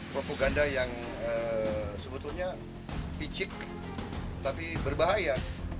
propaganda yang sebetulnya picik tapi berbahaya